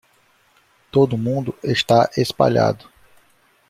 Todo mundo está espalhado